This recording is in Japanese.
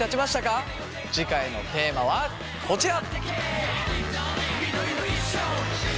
次回のテーマはこちら！